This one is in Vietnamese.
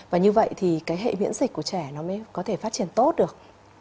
và như vậy thì cái hệ miễn dịch của trẻ nó mới có thể phát triển tốt được